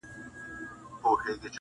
خو په زړو کي غلیمان د یوه بل دي!.